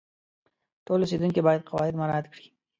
ټول اوسیدونکي باید قواعد مراعات کړي.